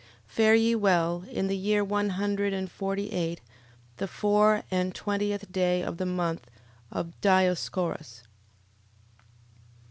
11:21. Fare ye well. In the year one hundred and forty eight, the four and twentieth day of the month of Dioscorus.